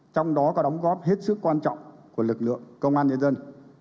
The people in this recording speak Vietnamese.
trong đó có đóng góp hết sức quan trọng của lực lượng công an nhân dân